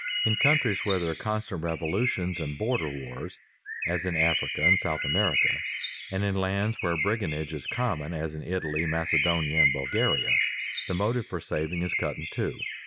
In countries where there are constant revolutions and border wars, as in Africa and South America, and in lands where brigandage is common, as in Italy, Macedonia, and Bulgaria, the motive for saving is cut in two.